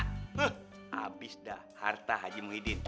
habis dah harta haji mohedin